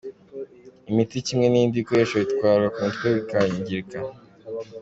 Imiti kimwe n’ibindi bikoresho bitwarwa ku mutwe bikangirika.